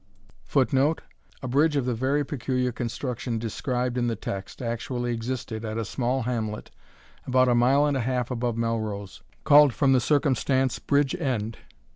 [Footnote: A bridge of the very peculiar construction described in the text, actually existed at a small hamlet about a mile and a half above Melrose, called from the circumstance Bridge end.